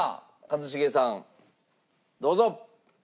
一茂さんどうぞ。